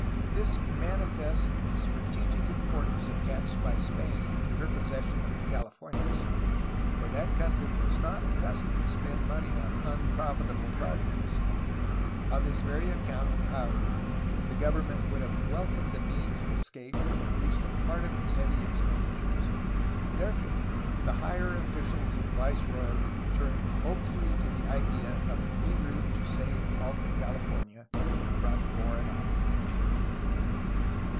This manifests the strategic importance attached by Spain to her possession of the Californias, for that country was not accustomed to spend money on unprofitable pro jects. On this very account, however, the government would have welcom^ed a means of escape from at least a part of its heavy expenditures. Therefore the higher officials of the viceroyalty turned hopefully to the idea of a new route to save Alta California from foreign occupation.